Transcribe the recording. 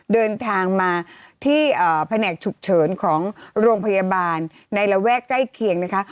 เดินทางมาที่แผนกฉุกเฉินของโรงพยาบาลในระแวกใกล้เคียงนะคะ